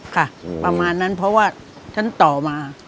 ค่ะประมาณนั้นเพราะว่าฉันต่อมา